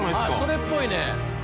それっぽいね。